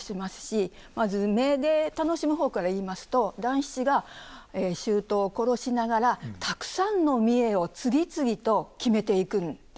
まず目で楽しむ方から言いますと団七が舅を殺しながらたくさんの見得を次々と決めていくんですね。